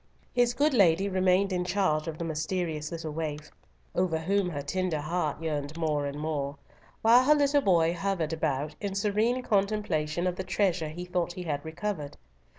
His good lady remained in charge of the mysterious little waif, over whom her tender heart yearned more and more, while her little boy hovered about in serene contemplation of the treasure he thought he had recovered.